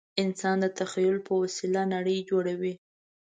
انسان د تخیل په وسیله نړۍ جوړوي.